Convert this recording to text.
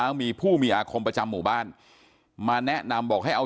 แล้วท่านผู้ชมครับบอกว่าตามความเชื่อขายใต้ตัวนะครับ